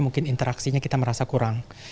mungkin interaksinya kita merasa kurang